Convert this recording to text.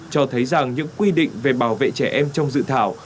cho thấy rằng những quy định về bảo vệ trẻ em trong dự thảo